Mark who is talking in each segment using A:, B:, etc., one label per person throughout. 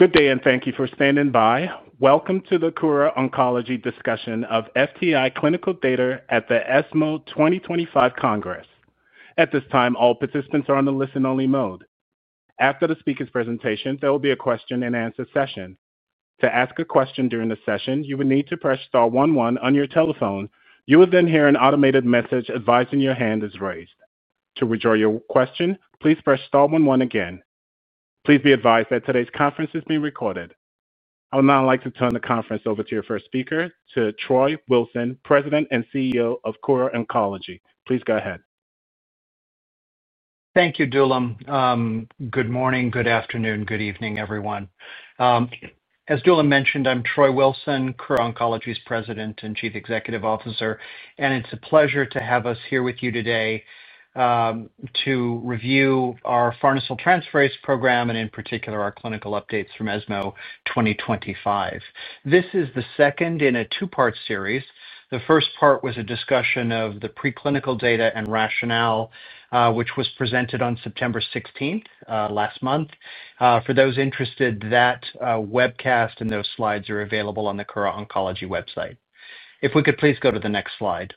A: Good day and thank you for standing by. Welcome to the Kura Oncology discussion of FTI clinical data at the ESMO 2025 congress. At this time, all participants are on the listen-only mode. After the speaker's presentation, there will be a question-and-answer session. To ask a question during the session, you will need to press star one one on your telephone. You will then hear an automated message advising your hand is raised. To withdraw your question, please press star one one again. Please be advised that today's conference is being recorded. I would now like to turn the conference over to your first speaker, to Troy Wilson, President and CEO of Kura Oncology. Please go ahead.
B: Thank you, Dulum. Good morning, good afternoon, good evening, everyone. As Dulum mentioned, I'm Troy Wilson, Kura Oncology's President and Chief Executive Officer, and it's a pleasure to have us here with you today to review our farnesyltransferase inhibitor program and, in particular, our clinical updates from ESMO 2025. This is the second in a two-part series. The first part was a discussion of the preclinical data and rationale, which was presented on September 16, last month. For those interested, that webcast and those slides are available on the Kura Oncology website. If we could please go to the next slide.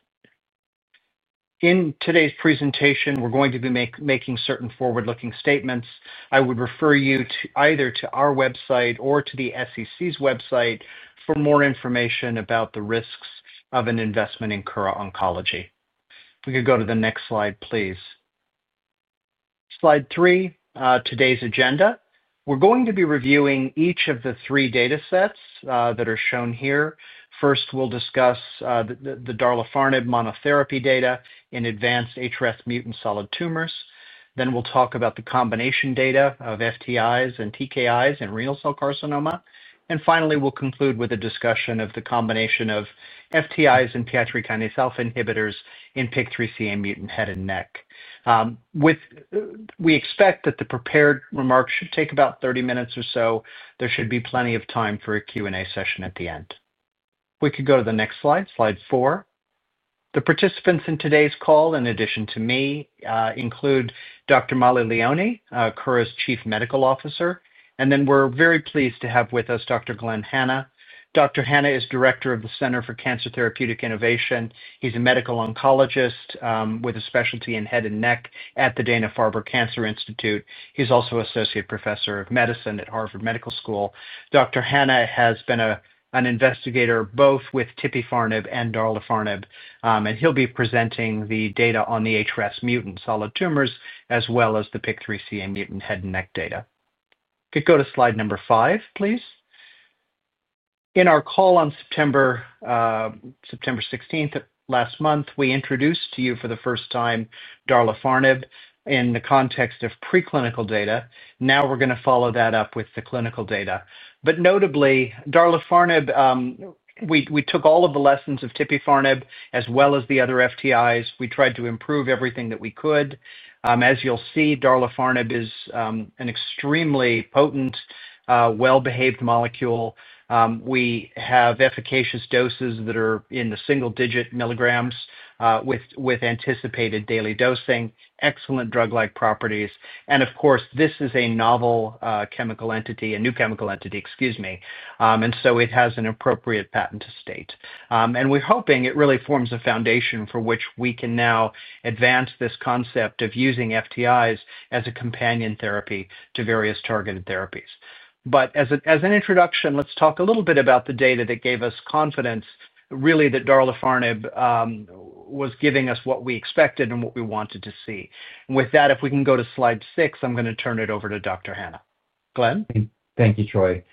B: In today's presentation, we're going to be making certain forward-looking statements. I would refer you to either our website or to the SEC's website for more information about the risks of an investment in Kura Oncology. If we could go to the next slide, please. Slide three, today's agenda. We're going to be reviewing each of the three data sets that are shown here. First, we'll discuss the KO-2806 monotherapy data in advanced HRAS-mutant solid tumors. Then we'll talk about the combination data of FTIs and TKIs in renal cell carcinoma. Finally, we'll conclude with a discussion of the combination of FTIs and PI3Kα inhibitors in PIK3CA-mutant head and neck. We expect that the prepared remarks should take about 30 minutes or so. There should be plenty of time for a Q&A session at the end. If we could go to the next slide, slide four. The participants in today's call, in addition to me, include Dr. Mollie Leoni, Kura's Chief Medical Officer, and then we're very pleased to have with us Dr. Glenn Hanna. Dr. Hanna is Director of the Center for Cancer Therapeutic Innovation. He's a medical oncologist with a specialty in head and neck at the Dana-Farber Cancer Institute. He's also an Associate Professor of Medicine at Harvard Medical School. Dr. Hanna has been an investigator both with Tipifarnib and KO-2806, and he'll be presenting the data on the HRAS-mutant solid tumors as well as the PIK3CA-mutant head and neck data. If we could go to slide number five, please. In our call on September 16, last month, we introduced to you for the first time KO-2806 in the context of preclinical data. Now we're going to follow that up with the clinical data. Notably, with KO-2806, we took all of the lessons of Tipifarnib as well as the other FTIs. We tried to improve everything that we could. As you'll see, darlifarnib is an extremely potent, well-behaved molecule. We have efficacious doses that are in the single-digit milligrams with anticipated daily dosing, excellent drug-like properties. Of course, this is a novel chemical entity, a new chemical entity, excuse me, and so it has an appropriate patent estate. We're hoping it really forms a foundation for which we can now advance this concept of using FTIs as a companion therapy to various targeted therapies. As an introduction, let's talk a little bit about the data that gave us confidence, really, that darlifarnib was giving us what we expected and what we wanted to see. With that, if we can go to slide six, I'm going to turn it over to Dr. Hanna. Glenn?
C: Thank you, Troy.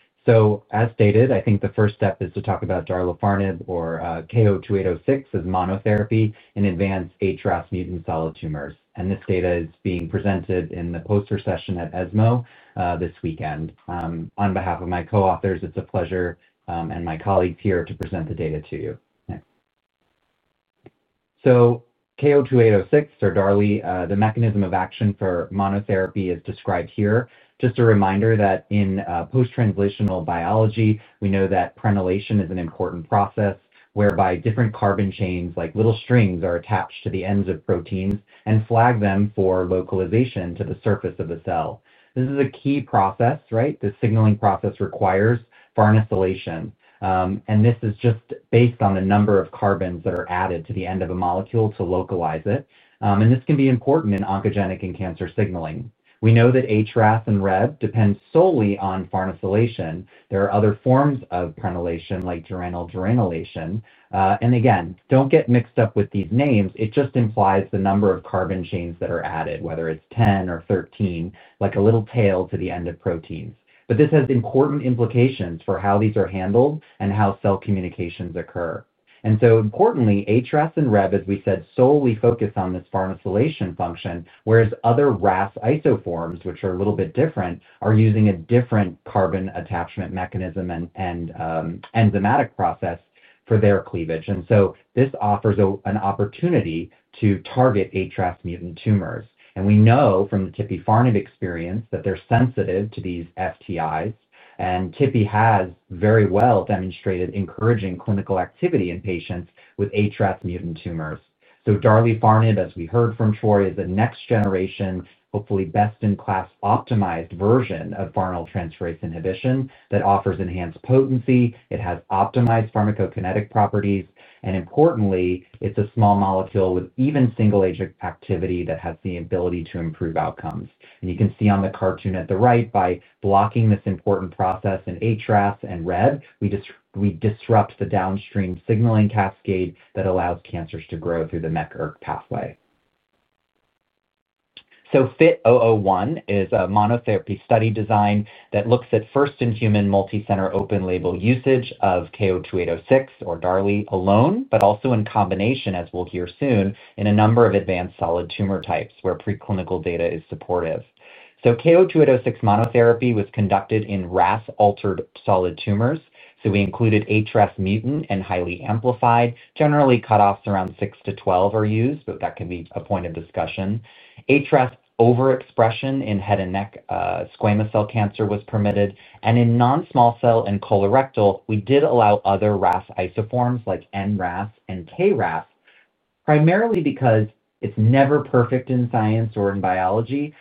C: As stated, I think the first step is to talk about darlifarnib or KO-2806 as monotherapy in advanced HRAS-mutant solid tumors. This data is being presented in the poster session at ESMO this weekend. On behalf of my co-authors, it's a pleasure, and my colleagues here, to present the data to you. Next. KO-2806, or DARLI, the mechanism of action for monotherapy is described here. Just a reminder that in post-translational biology, we know that prenylation is an important process whereby different carbon chains, like little strings, are attached to the ends of proteins and flag them for localization to the surface of the cell. This is a key process, right? The signaling process requires farnesylation. This is just based on the number of carbons that are added to the end of a molecule to localize it. This can be important in oncogenic and cancer signaling. We know that HRAS and Rheb depend solely on farnesylation. There are other forms of prenylation, like geranylgeranylation. Don't get mixed up with these names. It just implies the number of carbon chains that are added, whether it's 10 or 13, like a little tail to the end of proteins. This has important implications for how these are handled and how cell communications occur. Importantly, HRAS and Rheb, as we said, solely focus on this farnesylation function, whereas other RAS isoforms, which are a little bit different, are using a different carbon attachment mechanism and enzymatic process for their cleavage. This offers an opportunity to target HRAS-mutant tumors. We know from the Tipifarnib experience that they're sensitive to these FTIs. Tipifarnib has very well demonstrated encouraging clinical activity in patients with HRAS-mutant tumors. Darlifarnib, as we heard from Troy, is a next-generation, hopefully best-in-class optimized version of farnesyltransferase inhibition that offers enhanced potency. It has optimized pharmacokinetic properties. Importantly, it's a small molecule with even single-agent activity that has the ability to improve outcomes. You can see on the cartoon at the right, by blocking this important process in HRAS and Rheb, we disrupt the downstream signaling cascade that allows cancers to grow through the MEK/ERK pathway. FIT-001 is a monotherapy study design that looks at first-in-human multicenter open-label usage of KO-2806, or darlifarnib, alone, but also in combination, as we'll hear soon, in a number of advanced solid tumor types where preclinical data is supportive. KO-2806 monotherapy was conducted in RAS-altered solid tumors. We included HRAS-mutant and highly amplified. Generally, cutoffs around 6-12 are used, but that can be a point of discussion. HRAS overexpression in head and neck squamous cell carcinoma was permitted. In non-small cell and colorectal, we did allow other RAS isoforms, like NRAS and KRAS, primarily because it's never perfect in science or in biology.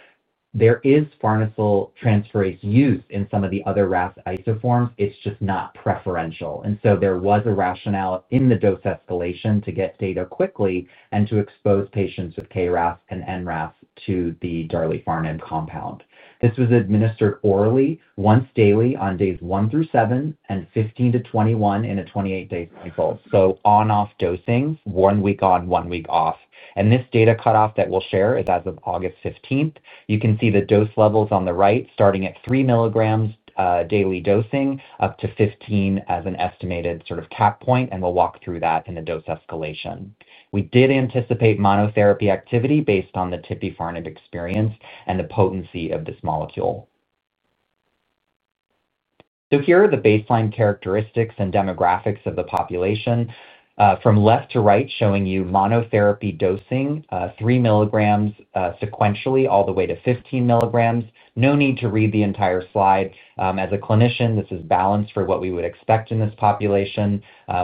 C: There is farnesyltransferase use in some of the other RAS isoforms. It's just not preferential. There was a rationale in the dose escalation to get data quickly and to expose patients with KRAS and NRAS to the darlifarnib compound. This was administered orally, once daily on days 1 through 7 and 15 to 21 in a 28-day cycle. On-off dosing, one week on, one week off. This data cutoff that we'll share is as of August 15. You can see the dose levels on the right, starting at 3 mg daily dosing up to 15 mg as an estimated sort of cap point. We'll walk through that in the dose escalation. We did anticipate monotherapy activity based on the Tipifarnib experience and the potency of this molecule. Here are the baseline characteristics and demographics of the population. From left to right, showing you monotherapy dosing, 3 mg sequentially all the way to 15 mg. No need to read the entire slide. As a clinician, this is balanced for what we would expect in this population.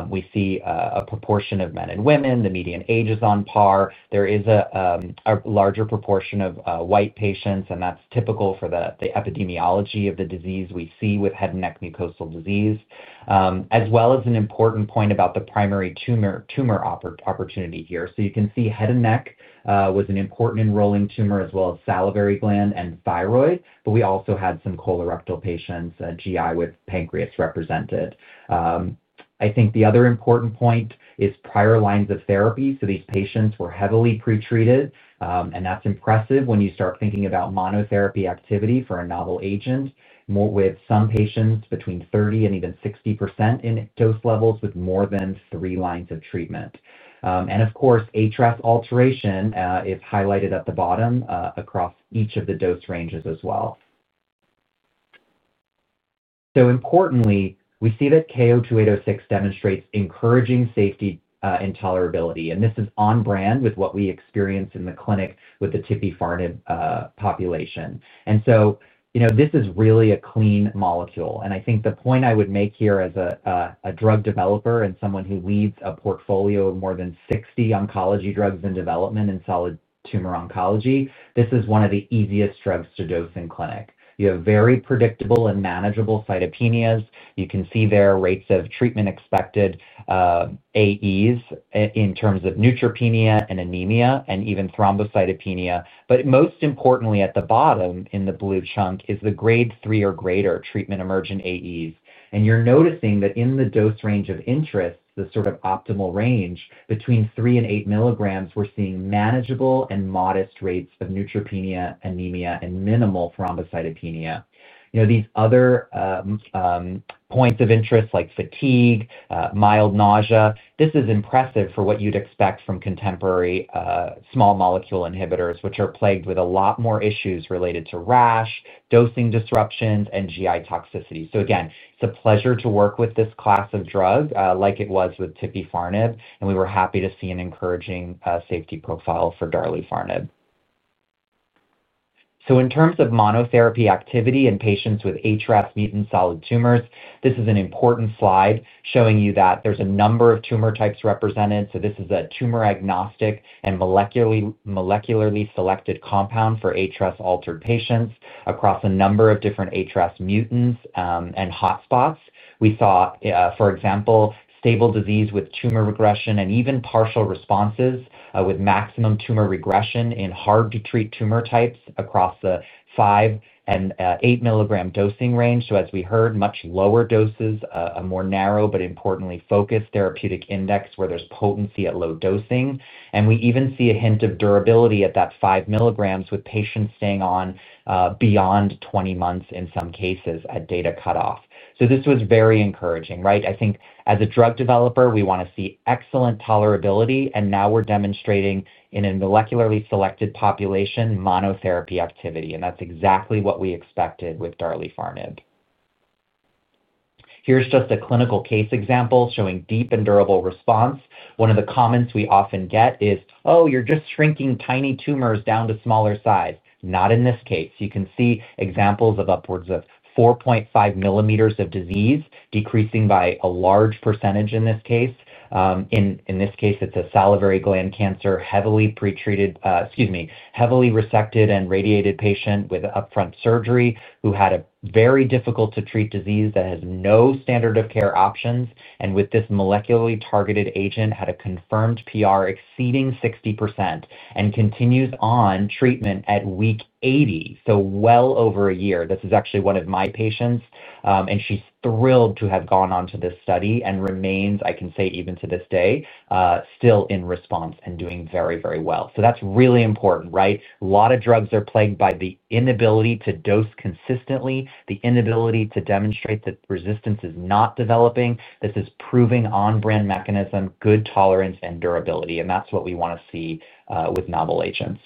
C: We see a proportion of men and women. The median age is on par. There is a larger proportion of white patients, and that's typical for the epidemiology of the disease we see with head and neck mucosal disease, as well as an important point about the primary tumor opportunity here. You can see head and neck was an important enrolling tumor, as well as salivary gland and thyroid. We also had some colorectal patients, GI with pancreas represented. I think the other important point is prior lines of therapy. These patients were heavily pretreated, and that's impressive when you start thinking about monotherapy activity for a novel agent, with some patients between 30% and even 60% in dose levels with more than three lines of treatment. Of course, HRAS alteration is highlighted at the bottom across each of the dose ranges as well. Importantly, we see that KO-2806 demonstrates encouraging safety and tolerability. This is on brand with what we experience in the clinic with the Tipifarnib population. This is really a clean molecule. I think the point I would make here as a drug developer and someone who leads a portfolio of more than 60 oncology drugs in development in solid tumor oncology, this is one of the easiest drugs to dose in clinic. You have very predictable and manageable cytopenias. You can see there rates of treatment expected AEs in terms of neutropenia and anemia and even thrombocytopenia. Most importantly, at the bottom in the blue chunk is the grade three or greater treatment emergent AEs. You're noticing that in the dose range of interest, the sort of optimal range between 3 and 8 mg, we're seeing manageable and modest rates of neutropenia, anemia, and minimal thrombocytopenia. These other points of interest, like fatigue, mild nausea, this is impressive for what you'd expect from contemporary small molecule inhibitors, which are plagued with a lot more issues related to rash, dosing disruptions, and GI toxicity. Again, it's a pleasure to work with this class of drug like it was with Tipifarnib. We were happy to see an encouraging safety profile for darlifarnib. In terms of monotherapy activity in patients with HRAS-mutant solid tumors, this is an important slide showing you that there's a number of tumor types represented. This is a tumor-agnostic and molecularly selected compound for HRAS-altered patients across a number of different HRAS mutants and hotspots. We saw, for example, stable disease with tumor regression and even partial responses with maximum tumor regression in hard-to-treat tumor types across the 5 and 8 mg dosing range. As we heard, much lower doses, a more narrow but importantly focused therapeutic index where there's potency at low dosing. We even see a hint of durability at that 5 mg with patients staying on beyond 20 months in some cases at data cutoff. This was very encouraging, right? I think as a drug developer, we want to see excellent tolerability. Now we're demonstrating in a molecularly selected population monotherapy activity. That's exactly what we expected with darlifarnib. Here's just a clinical case example showing deep and durable response. One of the comments we often get is, oh, you're just shrinking tiny tumors down to smaller size. Not in this case. You can see examples of upwards of 4.5 mm of disease decreasing by a large percentage in this case. In this case, it's a salivary gland cancer, heavily pretreated, excuse me, heavily resected and radiated patient with upfront surgery who had a very difficult-to-treat disease that has no standard-of-care options. With this molecularly targeted agent, had a confirmed PR exceeding 60% and continues on treatment at week 80, well over a year. This is actually one of my patients. She's thrilled to have gone on to this study and remains, I can say, even to this day, still in response and doing very, very well. That's really important, right? A lot of drugs are plagued by the inability to dose consistently, the inability to demonstrate that resistance is not developing. This is proving on-brand mechanism, good tolerance, and durability. That's what we want to see with novel agents.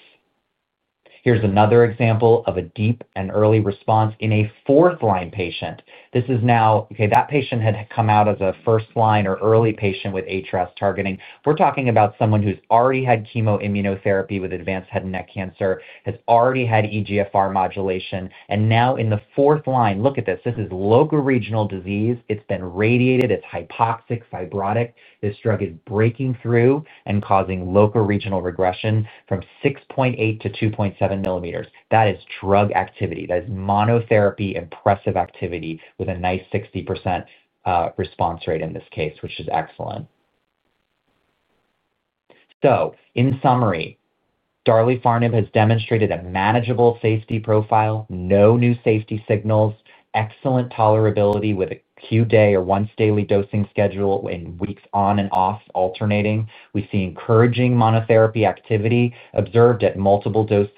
C: Here's another example of a deep and early response in a fourth-line patient. That patient had come out as a first-line or early patient with HRAS targeting. We're talking about someone who's already had chemoimmunotherapy with advanced head and neck cancer, has already had EGFR modulation, and now in the fourth line, look at this. This is locoregional disease. It's been radiated. It's hypoxic, fibrotic. This drug is breaking through and causing locoregional regression from 6.8-2.7 mm. That is drug activity. That is monotherapy impressive activity with a nice 60% response rate in this case, which is excellent. In summary, darlifarnib has demonstrated a manageable safety profile, no new safety signals, excellent tolerability with a Q-day or once-daily dosing schedule in weeks on and off alternating. We see encouraging monotherapy activity observed at multiple dose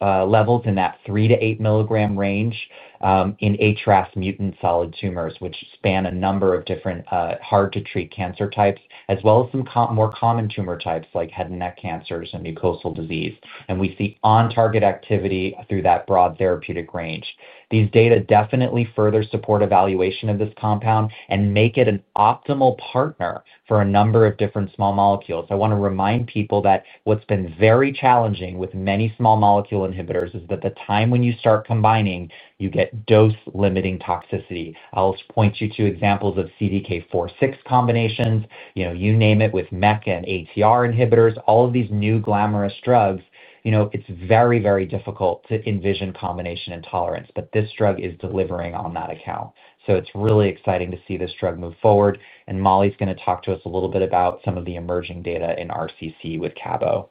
C: levels in that 3-8 mg range in HRAS-mutant solid tumors, which span a number of different hard-to-treat cancer types, as well as some more common tumor types like head and neck cancers and mucosal disease. We see on-target activity through that broad therapeutic range. These data definitely further support evaluation of this compound and make it an optimal partner for a number of different small molecules. I want to remind people that what's been very challenging with many small molecule inhibitors is that the time when you start combining, you get dose-limiting toxicity. I'll point you to examples of CDK4/6 combinations. You name it, with MEK and ATR inhibitors, all of these new glamorous drugs, it's very, very difficult to envision combination and tolerance. This drug is delivering on that account. It's really exciting to see this drug move forward. Mollie is going to talk to us a little bit about some of the emerging data in RCC with Cabozantinib.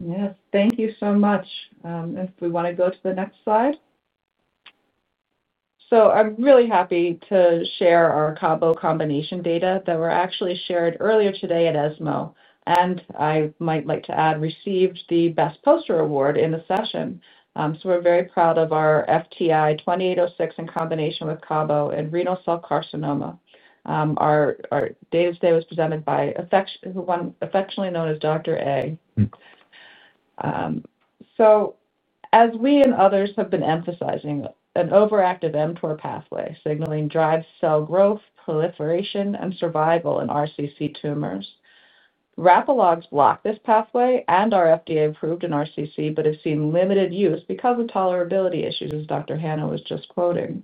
D: Yes, thank you so much. If we want to go to the next slide. I'm really happy to share our Cabo combination data that were actually shared earlier today at ESMO. I might like to add, received the Best Poster Award in the session. We're very proud of our FTI, KO-2806, in combination with Cabozantinib and renal cell carcinoma. Our data today was presented by one affectionately known as Dr. A. As we and others have been emphasizing, an overactive mTOR pathway signaling drives cell growth, proliferation, and survival in RCC tumors. Rapalogs block this pathway and are FDA approved in RCC, but have seen limited use because of tolerability issues, as Dr. Hanna was just quoting.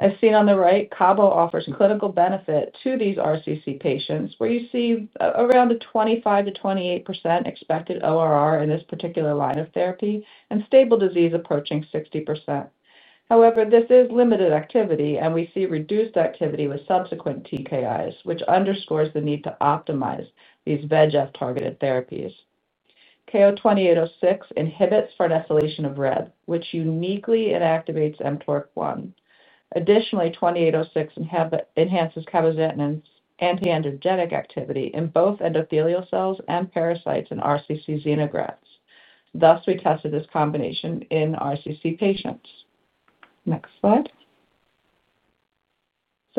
D: As seen on the right, Cabozantinib offers clinical benefit to these RCC patients, where you see around a 25%-28% expected ORR in this particular line of therapy and stable disease approaching 60%. However, this is limited activity, and we see reduced activity with subsequent TKIs, which underscores the need to optimize these VEGF-targeted therapies. KO-2806 inhibits farnesylation of Rheb, which uniquely inactivates mTORC1. Additionally, KO-2806 enhances Cabozantinib antiangiogenic activity in both endothelial cells and pericytes in RCC xenografts. Thus, we tested this combination in RCC patients. Next slide.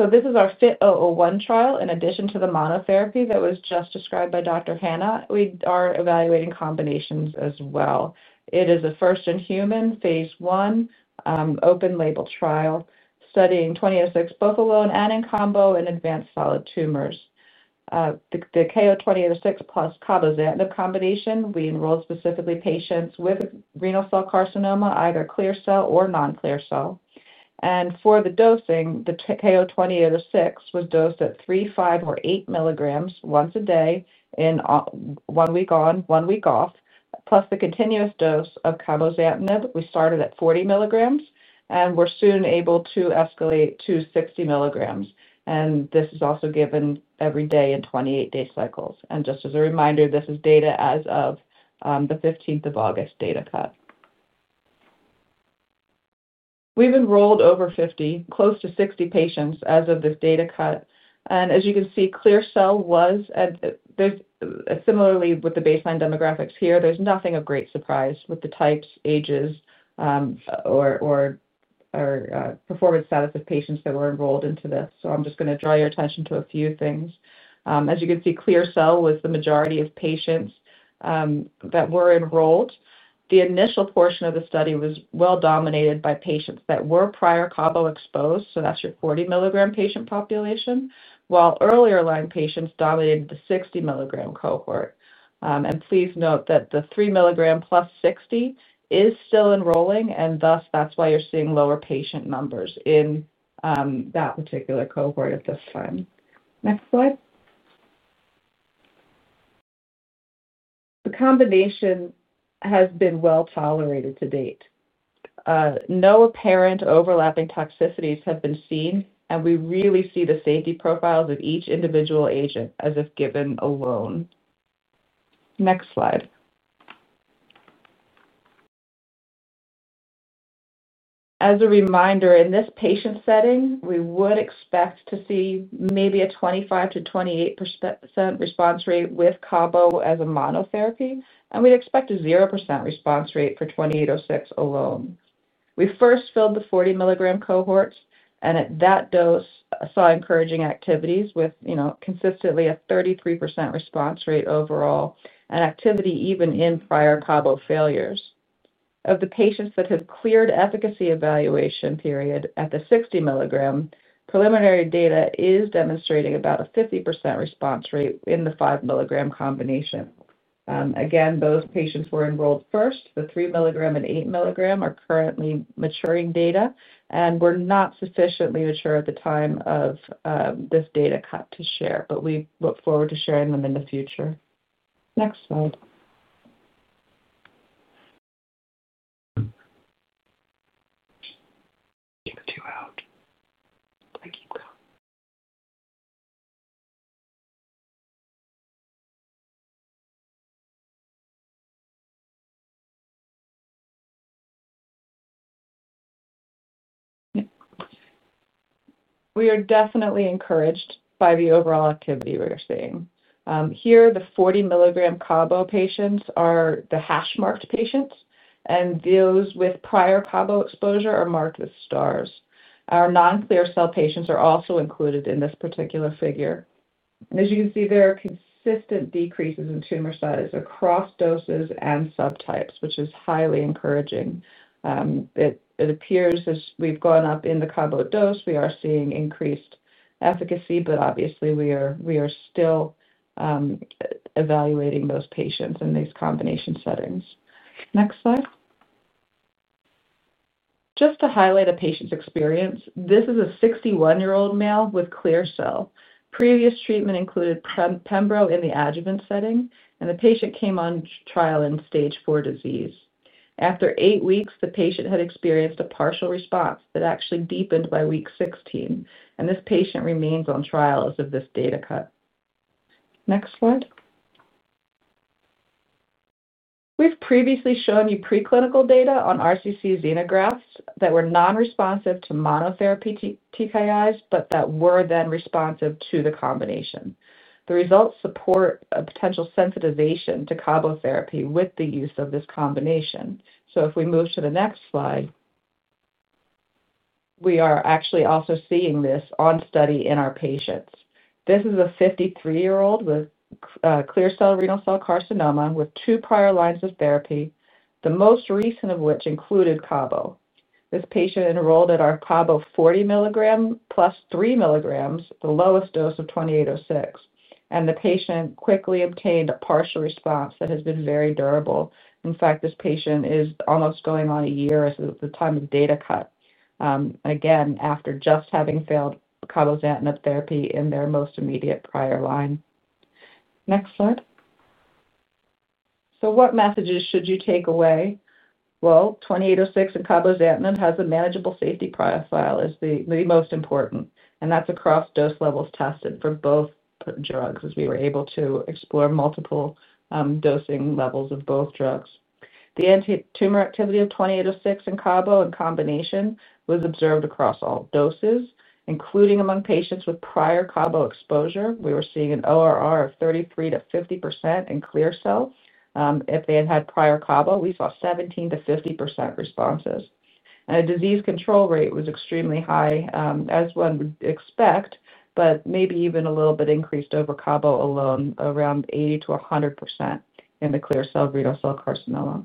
D: This is our FIT-001 trial. In addition to the monotherapy that was just described by Dr. Hanna, we are evaluating combinations as well. It is a first-in-human, phase I, open-label trial studying KO-2806, both alone and in combination in advanced solid tumors. The KO-2806 plus Cabozantinib combination, we enrolled specifically patients with renal cell carcinoma, either clear cell or non-clear cell. For the dosing, the KO-2806 was dosed at 3, 5, or 8 mg once a day in one week on, one week off, plus the continuous dose of Cabozantinib. We started at 40 mg, and we're soon able to escalate to 60 mg. This is also given every day in 28-day cycles. Just as a reminder, this is data as of the 15th of August data cut. We've enrolled over 50, close to 60 patients as of this data cut. As you can see, clear cell was, and there's similarly with the baseline demographics here, there's nothing of great surprise with the types, ages, or performance status of patients that were enrolled into this. I'm just going to draw your attention to a few things. As you can see, clear cell was the majority of patients that were enrolled. The initial portion of the study was well dominated by patients that were prior Cabozantinib exposed. That's your 40 mg patient population, while earlier line patients dominated the 60 mg cohort. Please note that the 3 mg plus 60 is still enrolling, which is why you're seeing lower patient numbers in that particular cohort at this time. Next slide. The combination has been well tolerated to date. No apparent overlapping toxicities have been seen. We really see the safety profiles of each individual agent as if given alone. Next slide. As a reminder, in this patient setting, we would expect to see maybe a 25%-28% response rate with Cabozantinib as a monotherapy. We'd expect a 0% response rate for KO-2806 alone. We first filled the 40 mg cohorts, and at that dose, saw encouraging activities with consistently a 33% response rate overall and activity even in prior Cabozantinib failures. Of the patients that had cleared efficacy evaluation period at the 60 mg, preliminary data is demonstrating about a 50% response rate in the 5 mg combination. Again, those patients were enrolled first. The 3 mg and 8 mg are currently maturing data and were not sufficiently mature at the time of this data cut to share. We look forward to sharing them in the future.
E: Next slide
D: We are definitely encouraged by the overall activity we're seeing. Here, the 40 mg Cabo patients are the hash-marked patients, and those with prior Cabo exposure are marked with stars. Our non-clear cell patients are also included in this particular figure. As you can see, there are consistent decreases in tumor size across doses and subtypes, which is highly encouraging. It appears as we've gone up in the Cabo dose, we are seeing increased efficacy. Obviously, we are still evaluating those patients in these combination settings. Next slide. Just to highlight a patient's experience, this is a 61-year-old male with clear cell. Previous treatment included pembrolizumab in the adjuvant setting, and the patient came on trial in stage IV disease. After eight weeks, the patient had experienced a partial response that actually deepened by week 16, and this patient remains on trial as of this data cut.
E: Next slide.
D: We've previously shown you preclinical data on RCC xenografts that were non-responsive to monotherapy TKIs, but that were then responsive to the combination. The results support a potential sensitization to Cabo therapy with the use of this combination. If we move to the next slide, we are actually also seeing this on study in our patients. This is a 53-year-old with clear cell renal cell carcinoma with two prior lines of therapy, the most recent of which included Cabo. This patient enrolled at our Cabo 40 mg + 3 mg, the lowest dose of KO-2806, and the patient quickly obtained a partial response that has been very durable. In fact, this patient is almost going on a year since the time of data cut, again, after just having failed Cabozantinib therapy in their most immediate prior line.
E: Next slide.
D: What messages should you take away? KO-2806 and Cabozantinib have a manageable safety profile, which is the most important, and that's across dose levels tested for both drugs, as we were able to explore multiple dosing levels of both drugs. The antitumor activity of KO-2806 and Cabo in combination was observed across all doses, including among patients with prior Cabo exposure. We were seeing an ORR of 33%-50% in clear cell. If they had had prior Cabo, we saw 17%-50% responses, and a disease control rate was extremely high, as one would expect, but maybe even a little bit increased over Cabo alone, around 80%-100% in the clear cell renal cell carcinoma.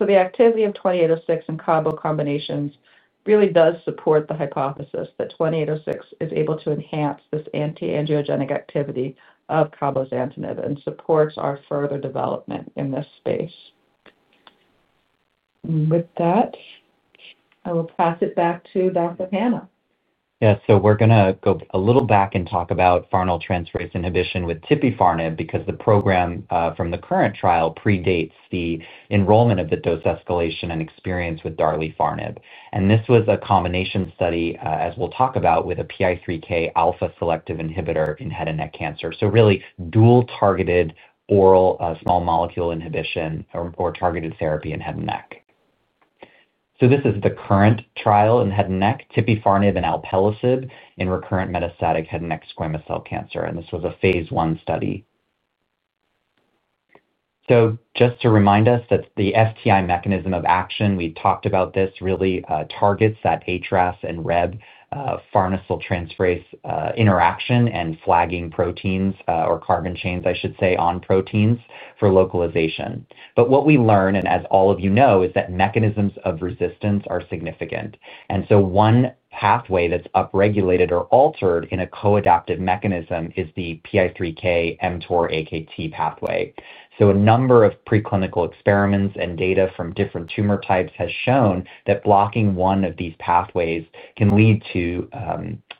D: The activity of KO-2806 and Cabo combinations really does support the hypothesis that KO-2806 is able to enhance this antiangiogenic activity of Cabozantinib and supports our further development in this space. With that, I will pass it back to Dr. Hanna.
C: Yeah, so we're going to go a little back and talk about farnesyltransferase inhibition with Tipifarnib because the program from the current trial predates the enrollment of the dose escalation and experience with darlifarnib. This was a combination study, as we'll talk about, with a PI3K-alpha selective inhibitor in head and neck cancer. Really, dual-targeted oral small molecule inhibition or targeted therapy in head and neck. This is the current trial in head and neck, tipifarnib and alpelisib in recurrent metastatic head and neck squamous cell cancer. This was a phase I study. Just to remind us that the FTI mechanism of action, we talked about this, really targets that HRAS and Rheb farnesyltransferase interaction and flagging proteins, or carbon chains, I should say, on proteins for localization. What we learn, and as all of you know, is that mechanisms of resistance are significant. One pathway that's upregulated or altered in a co-adaptive mechanism is the PI3K/mTOR/AKT pathway. A number of preclinical experiments and data from different tumor types has shown that blocking one of these pathways can lead to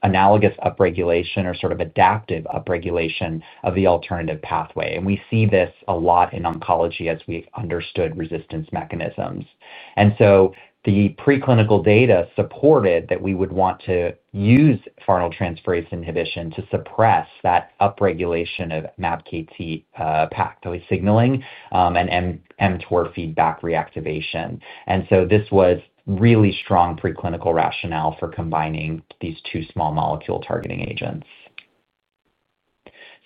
C: analogous upregulation or sort of adaptive upregulation of the alternative pathway. We see this a lot in oncology as we understood resistance mechanisms. The preclinical data supported that we would want to use farnesyltransferase inhibition to suppress that upregulation of MAPK pathway signaling and mTOR feedback reactivation. This was really strong preclinical rationale for combining these two small molecule targeting agents.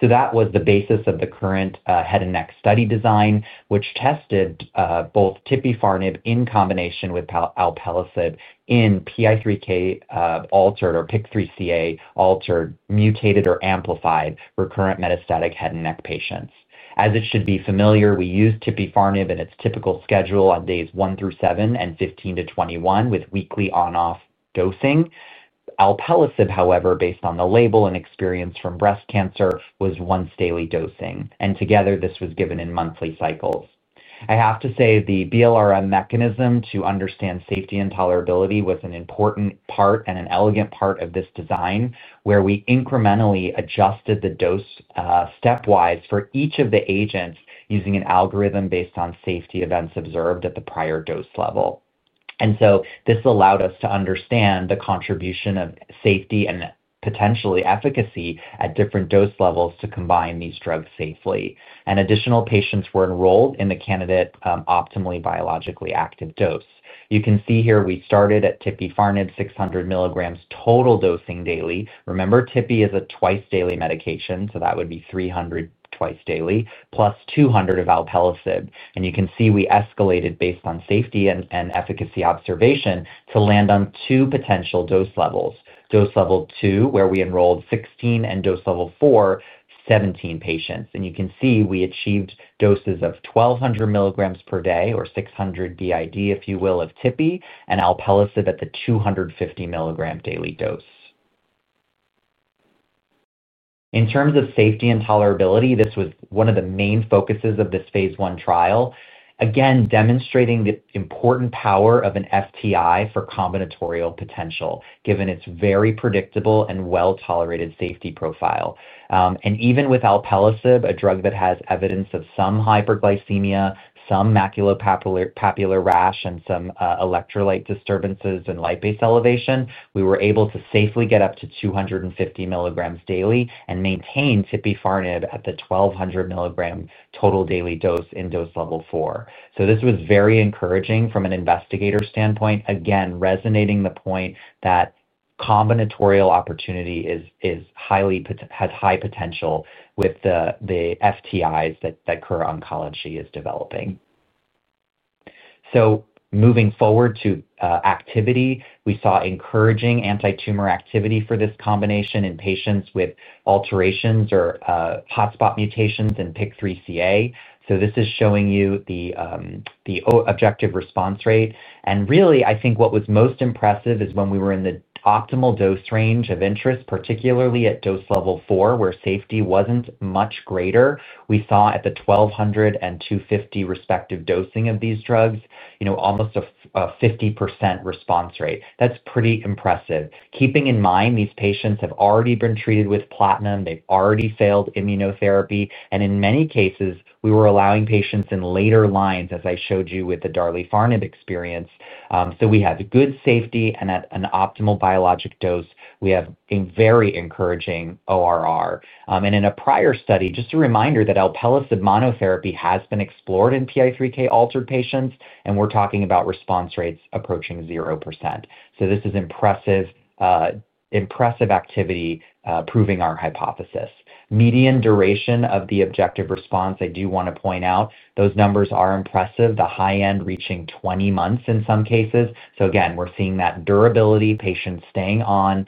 C: That was the basis of the current head and neck study design, which tested both Tipifarnib in combination with alpelisib in PI3K altered or PIK3CA altered mutated or amplified recurrent metastatic head and neck patients. As it should be familiar, we used Tipifarnib in its typical schedule on days 1 through 7 and 15-21 with weekly on-off dosing. Alpelisib, however, based on the label and experience from breast cancer, was once daily dosing. Together, this was given in monthly cycles. I have to say the BLRM mechanism to understand safety and tolerability was an important part and an elegant part of this design where we incrementally adjusted the dose stepwise for each of the agents using an algorithm based on safety events observed at the prior dose level. This allowed us to understand the contribution of safety and potentially efficacy at different dose levels to combine these drugs safely. Additional patients were enrolled in the candidate optimally biologically active dose. You can see here we started at tipifarnib 600 mg total dosing daily. Remember, Tipifarnib is a twice-daily medication, so that would be 300 twice daily plus 200 of alpelisib. You can see we escalated based on safety and efficacy observation to land on two potential dose levels, dose level 2, where we enrolled 16, and dose level 4, 17 patients. You can see we achieved doses of 1,200 mg per day, or 600 BID, if you will, of Tipifarnib and alpelisib at the 250 mg daily dose. In terms of safety and tolerability, this was one of the main focuses of this phase I trial, again demonstrating the important power of an FTI for combinatorial potential given its very predictable and well-tolerated safety profile. Even with alpelisib, a drug that has evidence of some hyperglycemia, some maculopapular rash, and some electrolyte disturbances and lipase elevation, we were able to safely get up to 250 mg daily and maintain tipifarnib at the 1,200 mg total daily dose in dose level 4. This was very encouraging from an investigator standpoint, again resonating the point that combinatorial opportunity has high potential with the FTIs that Kura Oncology is developing. Moving forward to activity, we saw encouraging antitumor activity for this combination in patients with alterations or hotspot mutations in PIK3CA. This is showing you the objective response rate. What was most impressive is when we were in the optimal dose range of interest, particularly at dose level 4, where safety was not much greater, we saw at the 1,200 and 250 respective dosing of these drugs, almost a 50% response rate. That's pretty impressive. Keeping in mind these patients have already been treated with platinum. They've already failed immunotherapy. In many cases, we were allowing patients in later lines, as I showed you with the darlifarnib experience. We have good safety and at an optimal biologic dose, we have a very encouraging ORR. In a prior study, just a reminder that alpelisib monotherapy has been explored in PI3K altered patients. We're talking about response rates approaching 0%. This is impressive activity proving our hypothesis. Median duration of the objective response, I do want to point out, those numbers are impressive, the high end reaching 20 months in some cases. Again, we're seeing that durability, patients staying on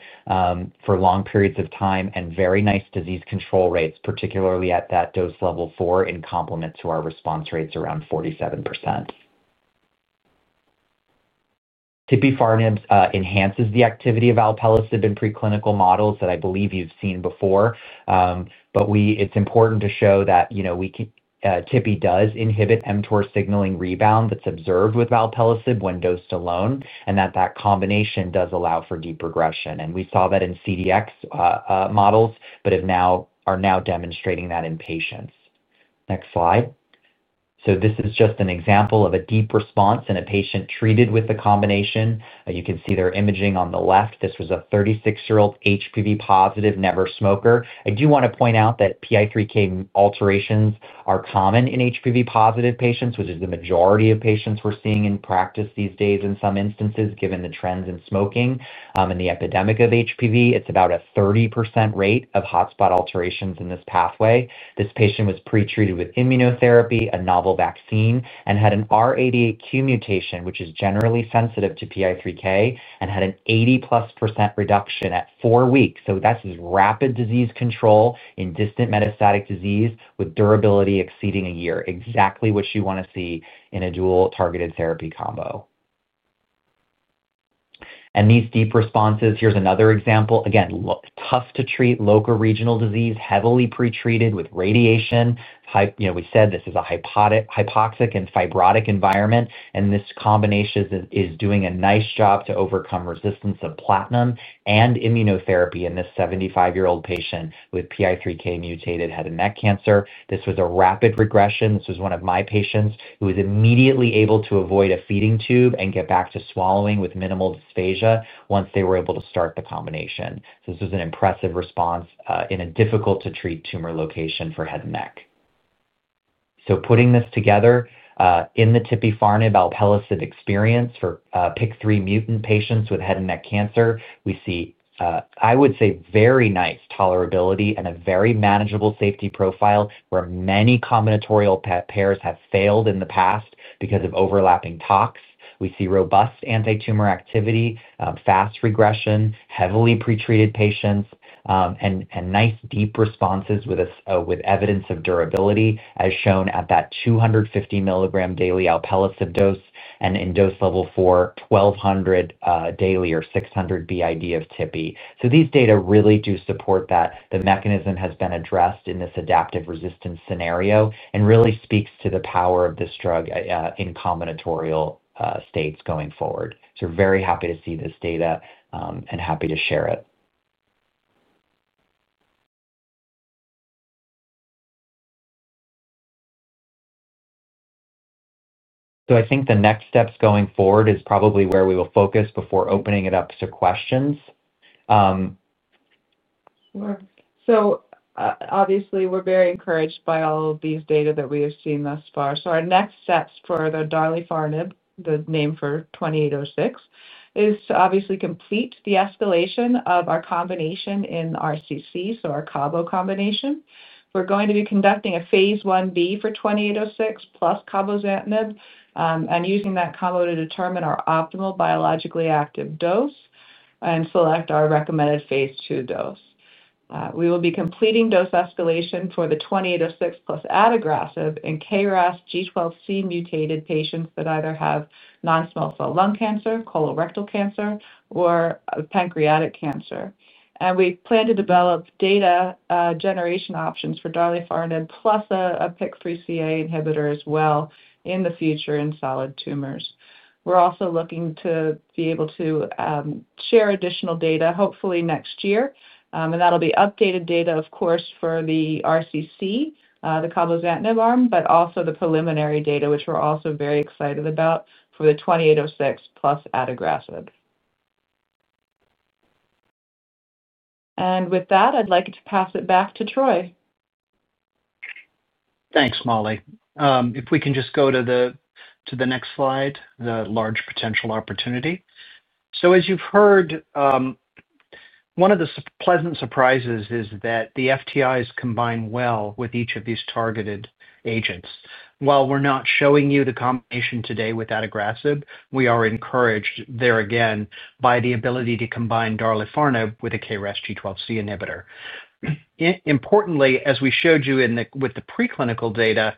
C: for long periods of time, and very nice disease control rates, particularly at that dose level 4 in complement to our response rates around 47%. Tipifarnib enhances the activity of alpelisib in preclinical models that I believe you've seen before. It's important to show that Tipifarnib does inhibit mTOR signaling rebound that's observed with alpelisib when dosed alone and that that combination does allow for deep regression. We saw that in CDX models but are now demonstrating that in patients. Next slide. This is just an example of a deep response in a patient treated with the combination. You can see their imaging on the left. This was a 36-year-old HPV positive, never smoker. I do want to point out that PI3K alterations are common in HPV positive patients, which is the majority of patients we're seeing in practice these days in some instances, given the trends in smoking and the epidemic of HPV. It's about a 30% rate of hotspot alterations in this pathway. This patient was pretreated with immunotherapy, a novel vaccine, and had an R88Q mutation, which is generally sensitive to PI3K, and had an 80%+ reduction at four weeks. That's rapid disease control in distant metastatic disease with durability exceeding a year, exactly what you want to see in a dual-targeted therapy combo. These deep responses, here's another example. Again, tough to treat locoregional disease, heavily pretreated with radiation. We said this is a hypoxic and fibrotic environment. This combination is doing a nice job to overcome resistance of platinum and immunotherapy in this 75-year-old patient with PI3K mutated head and neck cancer. This was a rapid regression. This was one of my patients who was immediately able to avoid a feeding tube and get back to swallowing with minimal dysphagia once they were able to start the combination. This was an impressive response in a difficult-to-treat tumor location for head and neck. Putting this together in the Tipifarnib alpelisib experience for PI3K mutant patients with head and neck cancer, we see, I would say, very nice tolerability and a very manageable safety profile where many combinatorial pairs have failed in the past because of overlapping tox. We see robust antitumor activity, fast regression, heavily pretreated patients, and nice deep responses with evidence of durability, as shown at that 250 mg daily alpelisib dose and in dose level 4, 1,200 mg daily or 600 mg BID of tipifarnib. These data really do support that the mechanism has been addressed in this adaptive resistance scenario and really speaks to the power of this drug in combinatorial states going forward. We are very happy to see this data and happy to share it. I think the next steps going forward is probably where we will focus before opening it up to questions.
D: Sure. Obviously, we're very encouraged by all of these data that we have seen thus far. Our next steps for the darlifarnib, the name for KO-2806, is to obviously complete the escalation of our combination in renal cell carcinoma, so our Cabozantinib combination. We're going to be conducting a phase I study for KO-2806 plus Cabozantinib and using that combo to determine our optimal biologically active dose and select our recommended phase II dose. We will be completing dose escalation for the KO-2806 plus Adagrasib in KRAS G12C-mutant patients that either have non-small cell lung cancer, colorectal cancer, or pancreatic cancer. We plan to develop data generation options for darlifarnib plus a PI3Kα inhibitor as well in the future in solid tumors. We're also looking to be able to share additional data, hopefully next year. That'll be updated data, of course, for the renal cell carcinoma, the Cabozantinib arm, but also the preliminary data, which we're also very excited about for the KO-2806 plus Adagrasib. With that, I'd like to pass it back to Troy.
B: Thanks, Mollie. If we can just go to the next slide, the large potential opportunity. As you've heard, one of the pleasant surprises is that the FTIs combine well with each of these targeted agents. While we're not showing you the combination today with Adagrasib, we are encouraged there again by the ability to combine darlifarnib with a KRAS G12C inhibitor. Importantly, as we showed you with the preclinical data,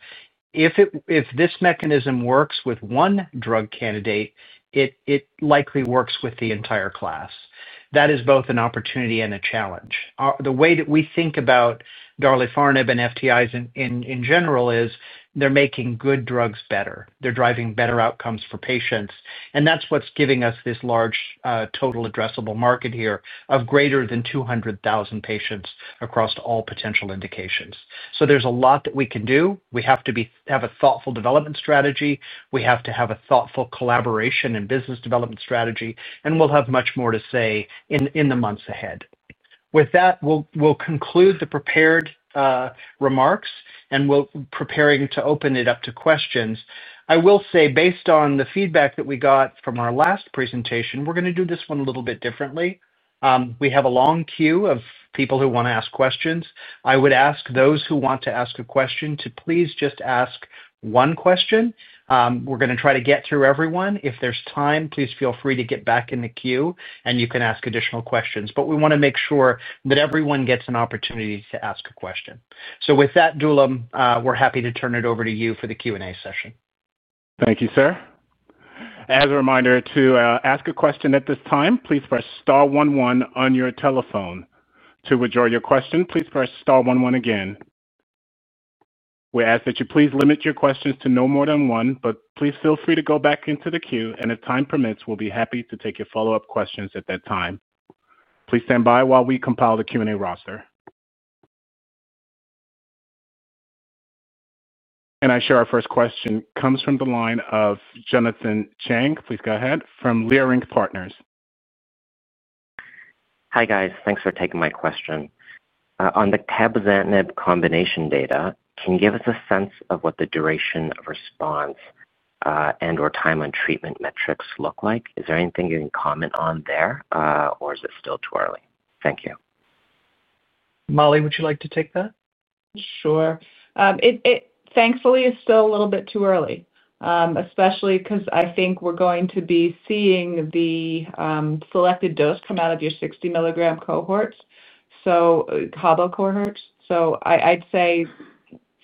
B: if this mechanism works with one drug candidate, it likely works with the entire class. That is both an opportunity and a challenge. The way that we think about darlifarnib and FTIs in general is they're making good drugs better. They're driving better outcomes for patients. That's what's giving us this large total addressable market here of greater than 200,000 patients across all potential indications. There's a lot that we can do. We have to have a thoughtful development strategy. We have to have a thoughtful collaboration and business development strategy. We'll have much more to say in the months ahead. With that, we'll conclude the prepared remarks. We're preparing to open it up to questions. I will say, based on the feedback that we got from our last presentation, we're going to do this one a little bit differently. We have a long queue of people who want to ask questions. I would ask those who want to ask a question to please just ask one question. We're going to try to get through everyone. If there's time, please feel free to get back in the queue. You can ask additional questions. We want to make sure that everyone gets an opportunity to ask a question. With that, Dulum, we're happy to turn it over to you for the Q&A session.
A: Thank you, sir. As a reminder, to ask a question at this time, please press star one one on your telephone. To withdraw your question, please press star one one again. We ask that you please limit your questions to no more than one. Please feel free to go back into the queue. If time permits, we'll be happy to take your follow-up questions at that time. Please stand by while we compile the Q&A roster. I share our first question. It comes from the line of Jonathan Chang. Please go ahead from LeeRink Partners.
F: Hi, guys. Thanks for taking my question. On the Cabozantinib combination data, can you give us a sense of what the duration of response and/or time on treatment metrics look like? Is there anything you can comment on there? Is it still too early? Thank you.
B: Mollie, would you like to take that?
D: Sure. Thankfully, it's still a little bit too early, especially because I think we're going to be seeing the selected dose come out of your 60 mg cohorts, so Cabo cohorts. I'd say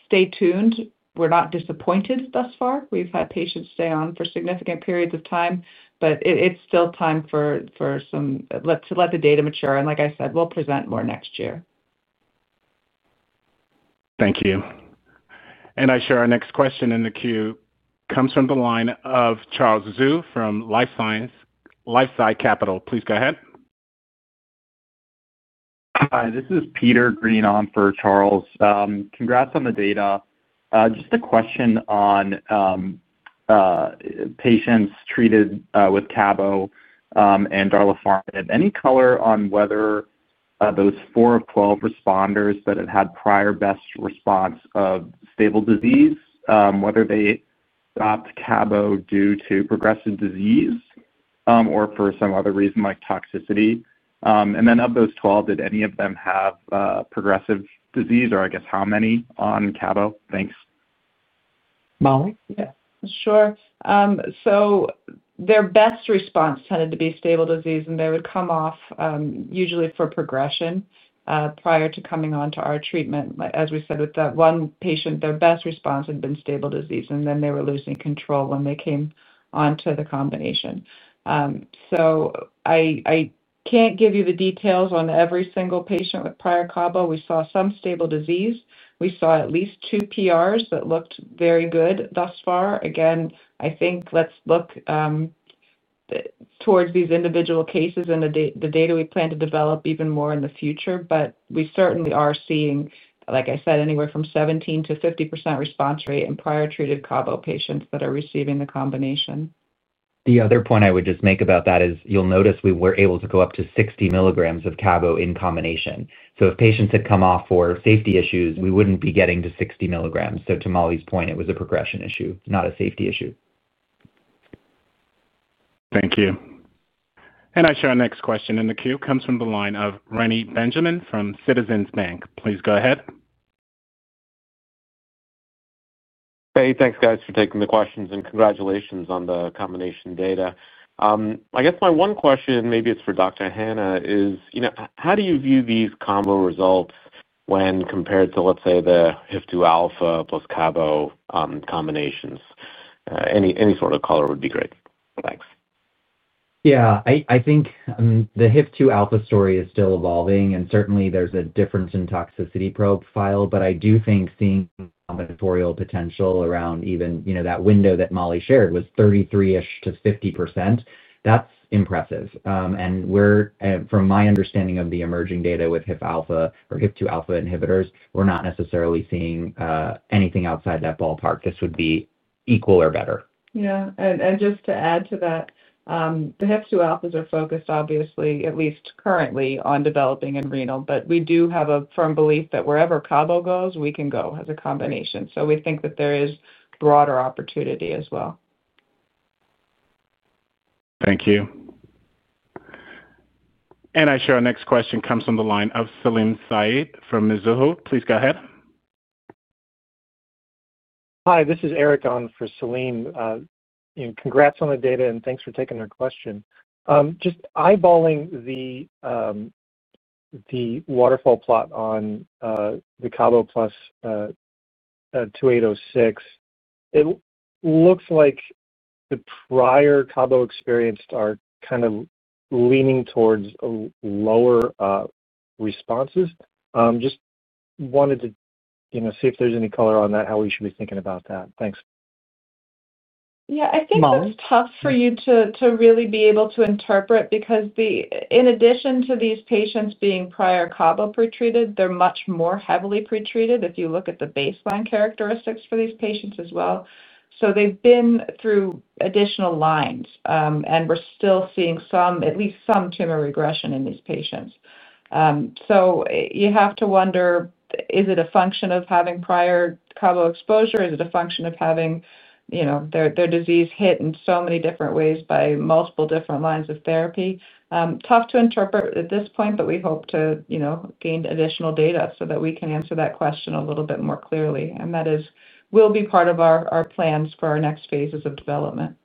D: stay tuned. We're not disappointed thus far. We've had patients stay on for significant periods of time. It's still time for some—let the data mature. Like I said, we'll present more next year.
A: Thank you. I share our next question in the queue. It comes from the line of Charles Zhu from LifeSci Capital. Please go ahead.
G: Hi, this is Peter Green on for Charles. Congrats on the data. Just a question on patients treated with Cabozantinib and darlifarnib. Any color on whether those 4 of 12 responders that had had prior best response of stable disease, whether they stopped Cabozantinib due to progressive disease or for some other reason, like toxicity? Of those 12, did any of them have progressive disease? I guess how many on Cabozantinib? Thanks.
B: Mollie?
D: Yeah, sure. Their best response tended to be stable disease, and they would come off usually for progression prior to coming on to our treatment. As we said with that one patient, their best response had been stable disease, and then they were losing control when they came on to the combination. I can't give you the details on every single patient with prior Cabozantinib. We saw some stable disease, and we saw at least two partial responses that looked very good thus far. I think let's look towards these individual cases and the data we plan to develop even more in the future. We certainly are seeing, like I said, anywhere from 17%-50% response rate in prior treated Cabozantinib patients that are receiving the combination.
C: The other point I would just make about that is you'll notice we were able to go up to 60 mg of Cabozantinib in combination. If patients had come off for safety issues, we wouldn't be getting to 60 mg. To Mollie's point, it was a progression issue, not a safety issue.
A: Thank you. I share our next question in the queue. It comes from the line of Reni Benjamin from Citizens Bank. Please go ahead.
H: Hey, thanks, guys, for taking the questions. Congratulations on the combination data. I guess my one question, and maybe it's for Dr. Hanna, is you know how do you view these combo results when compared to, let's say, the HIF2 alpha plus Cabozantinib combinations? Any sort of color would be great. Thanks.
C: I think the HIF2 alpha story is still evolving. Certainly, there's a difference in toxicity profile. I do think seeing combinatorial potential around even that window that Mollie shared was 33%-50%. That's impressive. From my understanding of the emerging data with HIF2 alpha inhibitors, we're not necessarily seeing anything outside that ballpark. This would be equal or better.
D: Yeah, just to add to that, the HIF2 alphas are focused, obviously, at least currently, on developing in renal. We do have a firm belief that wherever Cabo goes, we can go as a combination. We think that there is broader opportunity as well.
A: Thank you. I share our next question. It comes from the line of Salim Said from Mizuho. Please go ahead. Hi, this is Eric on for Selim. Congrats on the data, and thanks for taking our question. Just eyeballing the waterfall plot on the Cabozantinib plus KO-2806, it looks like the prior Cabozantinib experience are kind of leaning towards lower responses. Just wanted to see if there's any color on that, how we should be thinking about that. Thanks.
D: Yeah, I think it's tough for you to really be able to interpret because in addition to these patients being prior Cabozantinib pretreated, they're much more heavily pretreated if you look at the baseline characteristics for these patients as well. They've been through additional lines, and we're still seeing at least some tumor regression in these patients. You have to wonder, is it a function of having prior Cabozantinib exposure? Is it a function of having their disease hit in so many different ways by multiple different lines of therapy? Tough to interpret at this point. We hope to gain additional data so that we can answer that question a little bit more clearly. That will be part of our plans for our next phases of development.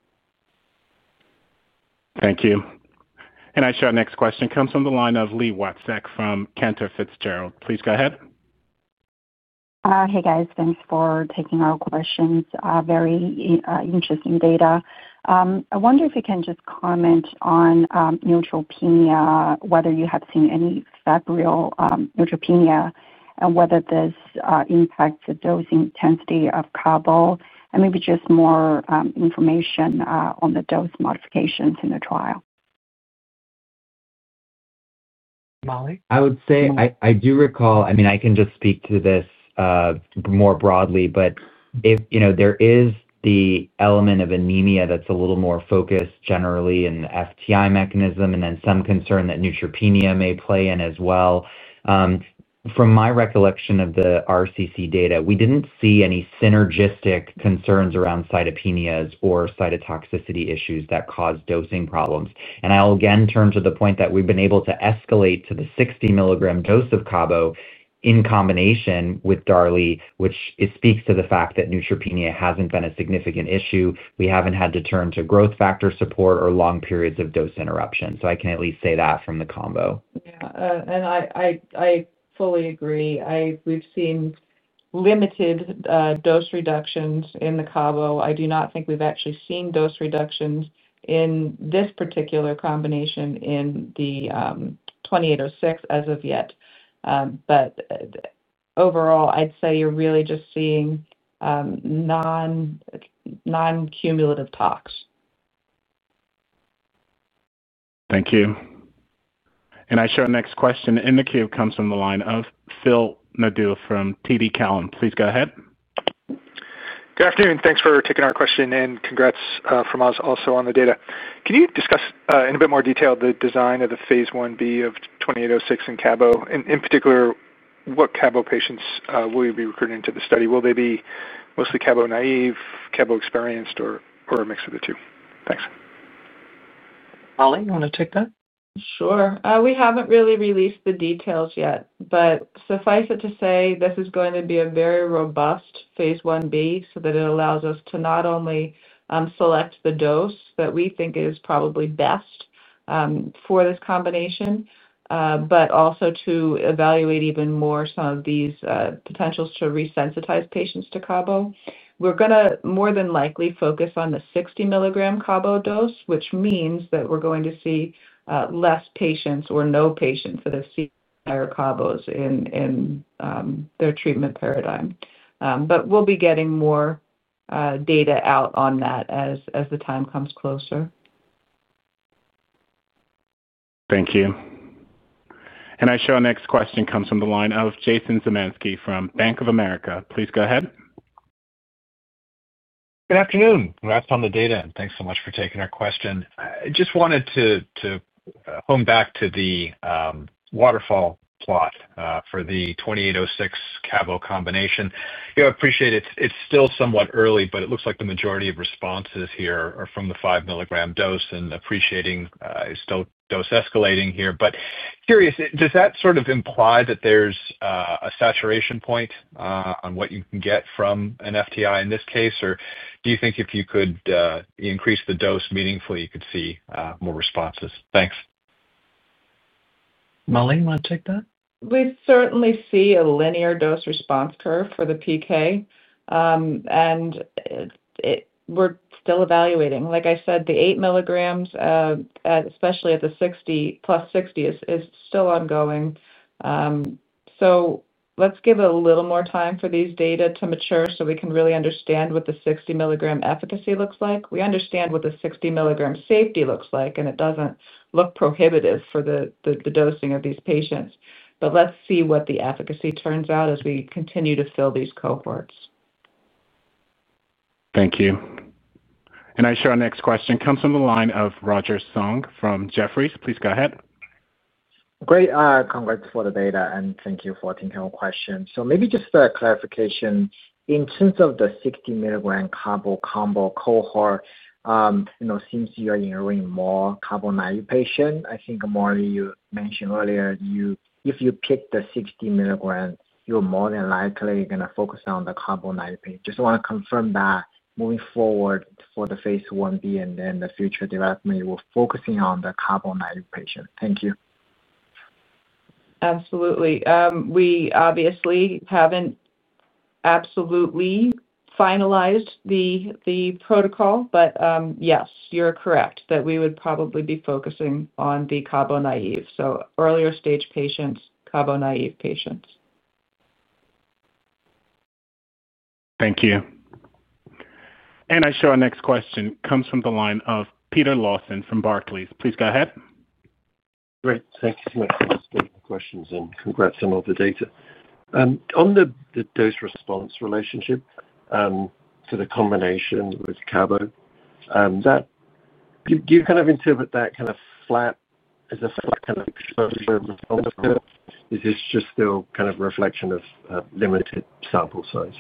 A: Thank you. I share our next question. It comes from the line of Li Watsek from Cantor Fitzgerald. Please go ahead.
I: Hey, guys. Thanks for taking our questions. Very interesting data. I wonder if you can just comment on neutropenia, whether you have seen any febrile neutropenia, and whether this impacts the dose intensity of Cabozantinib? Maybe just more information on the dose modifications in the trial.
B: Mollie?
C: I would say I do recall, I mean, I can just speak to this more broadly. If there is the element of anemia that's a little more focused generally in the FTI mechanism and then some concern that neutropenia may play in as well, from my recollection of the RCC data, we didn't see any synergistic concerns around cytopenias or cytotoxicity issues that cause dosing problems. I'll again turn to the point that we've been able to escalate to the 60 mg dose of Cabozantinib in combination with DARLI, which speaks to the fact that neutropenia hasn't been a significant issue. We haven't had to turn to growth factor support or long periods of dose interruption. I can at least say that from the combo.
D: Yeah, and I fully agree. We've seen limited dose reductions in the Cabozantinib. I do not think we've actually seen dose reductions in this particular combination in the KO-2806 as of yet. Overall, I'd say you're really just seeing non-cumulative tox.
A: Thank you. I share our next question in the queue. It comes from the line of Phil Nadeau from TD Cowen. Please go ahead.
J: Good afternoon. Thanks for taking our question. Congrats from us also on the data. Can you discuss in a bit more detail the design of the phase Ib of KO-2806 in Cabozantinib? In particular, what Cabozantinib patients will you be recruiting to the study? Will they be mostly Cabozantinib-naive, Cabozantinib-experienced, or a mix of the two? Thanks.
B: Mollie, you want to take that?
D: Sure. We haven't really released the details yet. Suffice it to say, this is going to be a very robust phase I study so that it allows us to not only select the dose that we think is probably best for this combination, but also to evaluate even more some of these potentials to resensitize patients to Cabozantinib. We're going to more than likely focus on the 60 mg Cabozantinib dose, which means that we're going to see fewer patients or no patients that have seen prior Cabozantinib in their treatment paradigm. We'll be getting more data out on that as the time comes closer.
A: Thank you. I share our next question. It comes from the line of Jason Zemansky from Bank of America. Please go ahead.
K: Good afternoon. Congrats on the data, and thanks so much for taking our question. I just wanted to hone back to the waterfall plot for the KO-2806 Cabozantinib combination. I appreciate it's still somewhat early, but it looks like the majority of responses here are from the 5 mg dose. Appreciating it's still dose escalating here, I'm curious, does that sort of imply that there's a saturation point on what you can get from a farnesyltransferase inhibitor in this case? Do you think if you could increase the dose meaningfully, you could see more responses? Thanks.
B: Mollie, you want to take that?
D: We certainly see a linear dose response curve for the PK. We're still evaluating. Like I said, the 8 mg, especially at the 60 + 60, is still ongoing. Let's give it a little more time for these data to mature so we can really understand what the 60 mg efficacy looks like. We understand what the 60 mg safety looks like. It doesn't look prohibitive for the dosing of these patients. Let's see what the efficacy turns out as we continue to fill these cohorts.
A: Thank you. I share our next question. It comes from the line of Roger Song from Jefferies. Please go ahead.
L: Great. Congrats for the data. Thank you for taking our question. Maybe just a clarification. In terms of the 60 mg Cabo combo cohort, since you are interviewing more Cabo-naive patients, I think, Mollie, you mentioned earlier, if you pick the 60 mg, you're more than likely going to focus on the Cabo-naive patients. I just want to confirm that moving forward for the phase IB and then the future development, you were focusing on the Cabo-naive patients. Thank you.
D: Absolutely. We obviously haven't absolutely finalized the protocol, but yes, you're correct that we would probably be focusing on the Cabo-naive, so earlier stage patients, Cabo-naive patients.
A: Thank you. I share our next question. It comes from the line of Peter Lawson from Barclays. Please go ahead.
M: Great. Thanks so much for taking our questions and congrats on all the data. On the dose-response relationship for the combination with Cabozantinib, do you kind of interpret that as a flat kind of curve? Is this just still a reflection of limited sample size?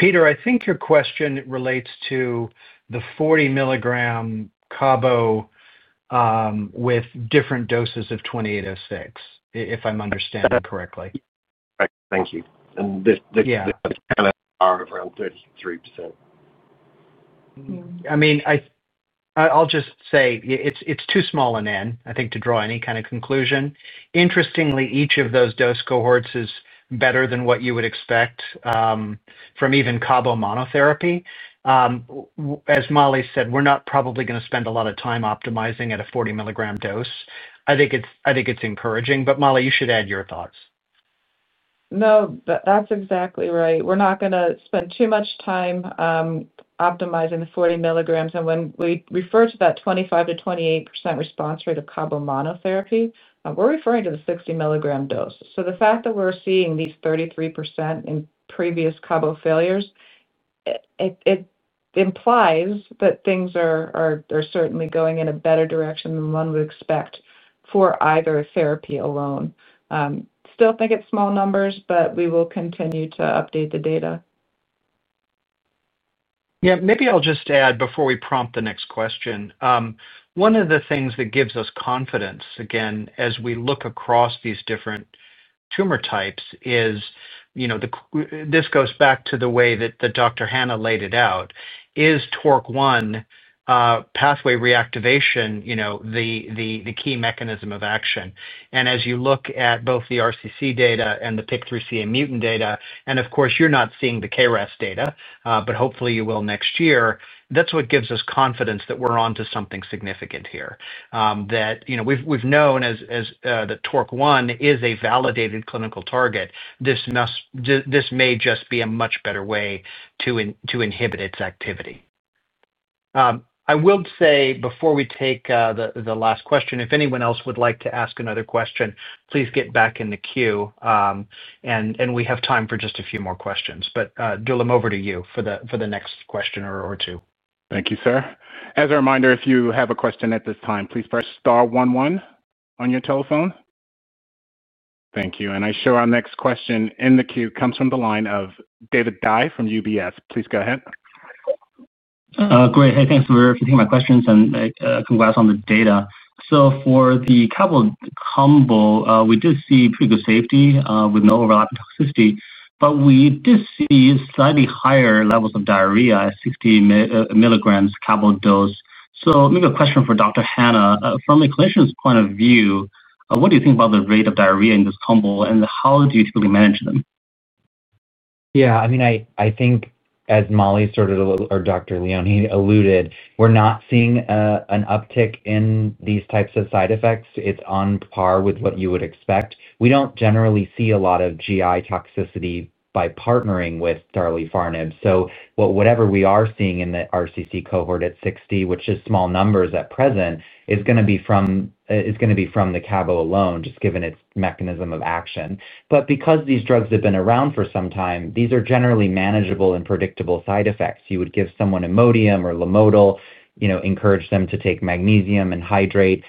B: Peter, I think your question relates to the 40 mg Cabozantinib with different doses of KO-2806, if I'm understanding correctly.
M: Right. Thank you. The parallels are around 33%.
B: I mean, I'll just say it's too small an N, I think, to draw any kind of conclusion. Interestingly, each of those dose cohorts is better than what you would expect from even Cabozantinib monotherapy. As Mollie said, we're not probably going to spend a lot of time optimizing at a 40 mg dose. I think it's encouraging. Mollie, you should add your thoughts.
D: No, that's exactly right. We're not going to spend too much time optimizing the 40 mg. When we refer to that 25%-28% response rate of Cabozantinib monotherapy, we're referring to the 60 mg dose. The fact that we're seeing these 33% in previous Cabozantinib failures implies that things are certainly going in a better direction than one would expect for either therapy alone. I still think it's small numbers, but we will continue to update the data.
B: Yeah, maybe I'll just add before we prompt the next question. One of the things that gives us confidence, again, as we look across these different tumor types is, you know, this goes back to the way that Dr. Hanna laid it out. Is TORC1 pathway reactivation the key mechanism of action? As you look at both the RCC data and the PIK3CA mutant data, and of course, you're not seeing the KRAS data, but hopefully, you will next year, that's what gives us confidence that we're onto something significant here, that we've known that TORC1 is a validated clinical target. This may just be a much better way to inhibit its activity. I will say before we take the last question, if anyone else would like to ask another question, please get back in the queue. We have time for just a few more questions. Dulum, over to you for the next question or two.
A: Thank you, sir. As a reminder, if you have a question at this time, please press star one one on your telephone. Thank you. I share our next question in the queue. It comes from the line of David Dai from UBS. Please go ahead.
N: Great. Hey, thanks for taking my questions and congrats on the data. For the Cabo combo, we did see pretty good safety with no overlapping toxicity. We did see slightly higher levels of diarrhea at 60 mg Cabo dose. Maybe a question for Dr. Hanna. From a clinician's point of view, what do you think about the rate of diarrhea in this combo? How do you typically manage them?
C: Yeah, I mean, I think as Mollie or Dr. Leoni alluded, we're not seeing an uptick in these types of side effects. It's on par with what you would expect. We don't generally see a lot of GI toxicity by partnering with darlifarnib. Whatever we are seeing in the RCC cohort at 60, which is small numbers at present, is going to be from the Cabo alone, just given its mechanism of action. Because these drugs have been around for some time, these are generally manageable and predictable side effects. You would give someone Imodium or Lomotil, encourage them to take magnesium and hydrate.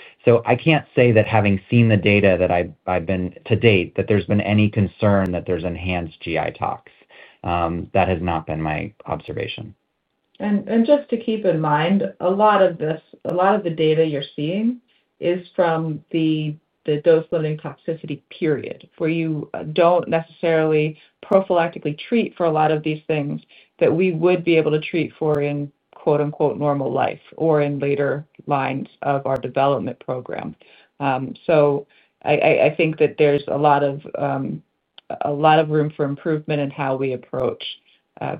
C: I can't say that having seen the data that I've been to date, that there's been any concern that there's enhanced GI tox. That has not been my observation.
D: Just to keep in mind, a lot of the data you're seeing is from the dose-limiting toxicity period where you don't necessarily prophylactically treat for a lot of these things that we would be able to treat for in quote unquote normal life or in later lines of our development program. I think that there's a lot of room for improvement in how we approach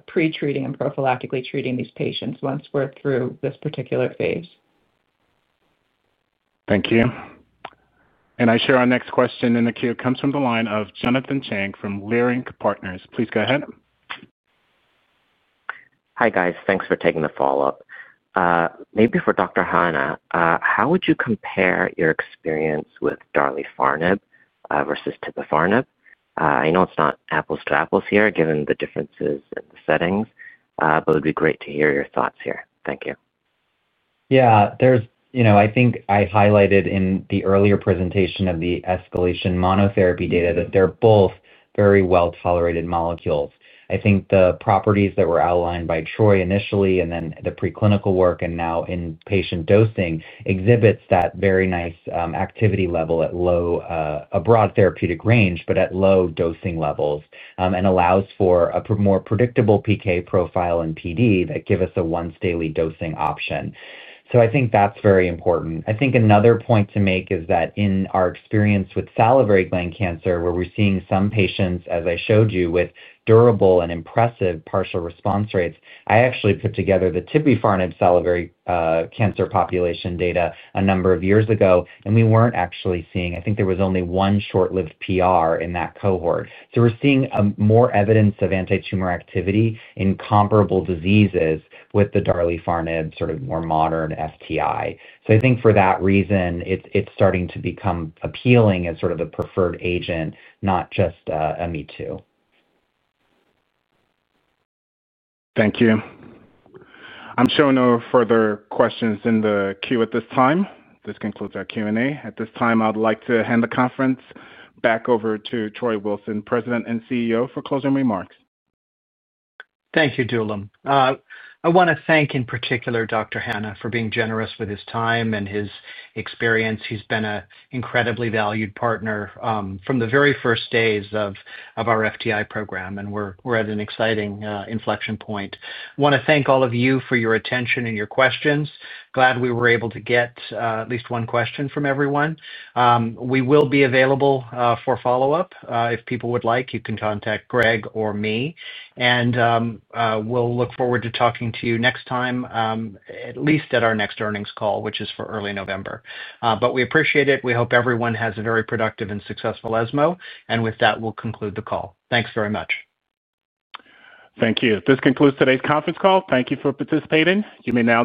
D: pretreating and prophylactically treating these patients once we're through this particular phase.
A: Thank you. I share our next question in the queue. It comes from the line of Jonathan Chang from LeeRink Partners. Please go ahead.
F: Hi, guys. Thanks for taking the follow-up. Maybe for Dr. Hanna, how would you compare your experience with darlifarnib versus tipifarnib? I know it's not apples to apples here given the differences in the settings. It would be great to hear your thoughts here. Thank you.
C: Yeah, there's, you know, I think I highlighted in the earlier presentation of the escalation monotherapy data that they're both very well-tolerated molecules. I think the properties that were outlined by Troy initially and then the preclinical work and now in patient dosing exhibit that very nice activity level at a broad therapeutic range, but at low dosing levels and allows for a more predictable PK profile and PD that give us a once-daily dosing option. I think that's very important. Another point to make is that in our experience with salivary gland cancer, where we're seeing some patients, as I showed you, with durable and impressive partial response rates, I actually put together the tipifarnib salivary cancer population data a number of years ago. We weren't actually seeing, I think there was only one short-lived PR in that cohort. We're seeing more evidence of anti-tumor activity in comparable diseases with the darlifarnib sort of more modern FTI. I think for that reason, it's starting to become appealing as sort of a preferred agent, not just a me too.
A: Thank you. I'm showing no further questions in the queue at this time. This concludes our Q&A. At this time, I would like to hand the conference back over to Troy Wilson, President and CEO, for closing remarks.
B: Thank you, Dulum. I want to thank in particular Dr. Hanna for being generous with his time and his experience. He's been an incredibly valued partner from the very first days of our FTI program. We're at an exciting inflection point. I want to thank all of you for your attention and your questions. Glad we were able to get at least one question from everyone. We will be available for follow-up if people would like. You can contact Greg or me. We'll look forward to talking to you next time, at least at our next earnings call, which is for early November. We appreciate it. We hope everyone has a very productive and successful ESMO. With that, we'll conclude the call. Thanks very much.
A: Thank you. This concludes today's conference call. Thank you for participating. You may now.